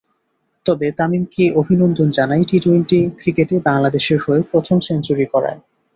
তবে তামিমকে অভিনন্দন জানাই টি-টোয়েন্টি ক্রিকেটে বাংলাদেশের হয়ে প্রথম সেঞ্চুরি করায়।